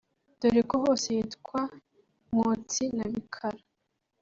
(dore ko hose hitwa Nkotsi na Bikara)